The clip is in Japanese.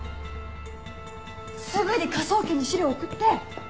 すぐに科捜研に資料送って！